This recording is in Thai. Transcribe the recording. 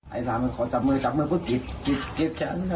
อายมั้งขอจับมือจับมือที่ดทรุดลดท่า